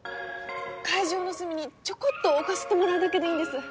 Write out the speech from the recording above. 会場の隅にちょこっと置かせてもらうだけでいいんです。